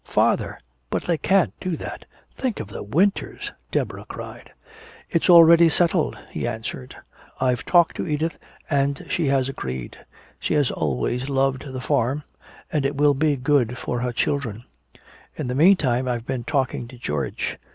"Father! But they can't do that! Think of the winters!" Deborah cried. "It's already settled," he answered. "I've talked to Edith and she has agreed. She has always loved the farm, and it will be good for her children. In the meantime I've been talking to George.